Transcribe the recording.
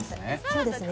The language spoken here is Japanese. そうですね。